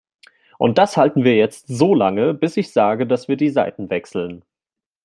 Und das halten wir jetzt so lange, bis ich sage, dass wir die Seiten wechseln.